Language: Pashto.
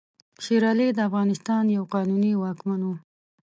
شېر علي د افغانستان یو قانوني واکمن وو.